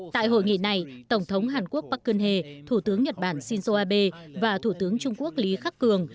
tại hội nghị này tổng thống hàn quốc park geun hye thủ tướng nhật bản shinzo abe và thủ tướng trung quốc lý khắc cường